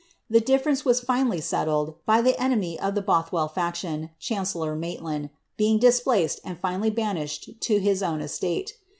The difference was finally settled, by the enemy of the Both well faction, chancellor Maitland, being displaced and fiimllY b%sx\%Vw^ to his own estate.